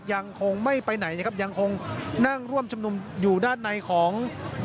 ยังคงไม่ไปไหนนะครับยังคงนั่งร่วมชุมนุมอยู่ด้านในของ